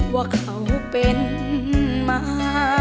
ว่าเขาเป็นมา